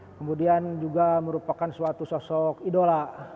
kemudian juga merupakan suatu sosok idola